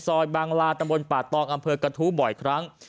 ซอยบางลาตำบลป่าตองอำเภอกระทู้บ่อยครั้ง